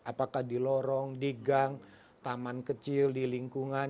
apakah di lorong di gang taman kecil di lingkungan